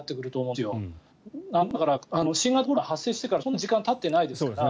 まだ新型コロナ発生してからそんなに時間がたっていないですから。